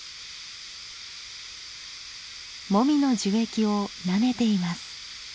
モミの樹液をなめています。